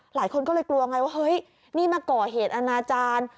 หลายคนก็เลยกลัวไงว่าเฮ้ยนี่มาก่อเหตุอนาจารย์